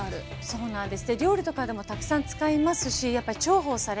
そうなんです。